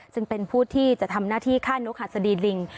ซึ่งเป็นผู้ที่จะทำหน้าที่ฆ่านกหัสดีลิง